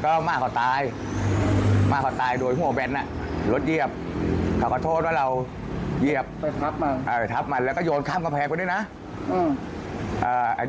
กระเผี่ยงเรื่องของคุณหม่า